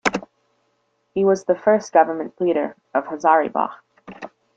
He was the first Government Pleader of Hazaribagh.